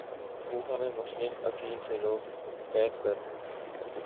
کوفہ میں Muslim bin Aqil سے لوگ بیعت کر